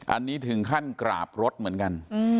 อันนี้ถึงขั้นกราบรถเหมือนกัน